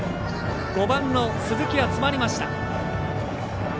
５番の鈴木は詰まりました。